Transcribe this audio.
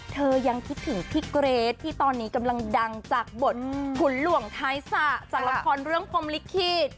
เธอยังคิดถึงพี่เกรทที่ตอนนี้กำลังดังจากบทขุนหลวงท้ายสระจากละครเรื่องพรมลิขิต